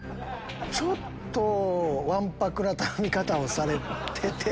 ちょっとわんぱくな頼み方をされてて。